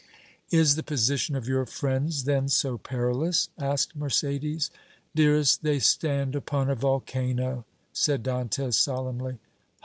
"Is the position of your friends then so perilous?" asked Mercédès. "Dearest, they stand upon a volcano!" said Dantès, solemnly.